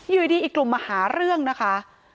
อยู่ดีอีกกลุ่มมาหาเรื่องนะคะ